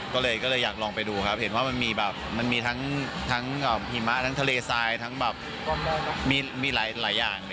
ก็เลยอยากลองไปดูมันมีทั้งทะเลทรายมีหลายอย่าง